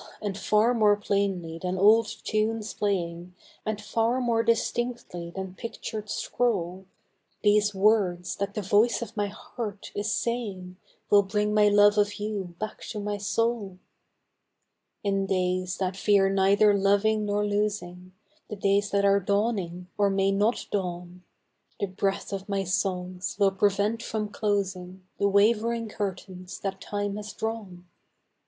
and far more plainly than old tunes playing, And far more distinctly than pictured scroll, These words that the voice of my heart is saying Will bring my love of you back to my soul ! In days that fear neither loving nor losing, The days that are dawning or may not dawn, The breath of my songs will prevent from closing The wavering curtains that Time has drawn.